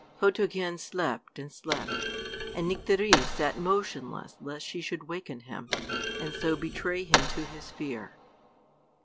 Photogen slept, and slept; and Nycteris sat motionless lest she should waken him, and so betray him to his fear.